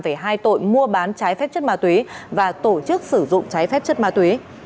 về hai tội mua bán trái phép chất ma túy và tổ chức sử dụng trái phép chất ma túy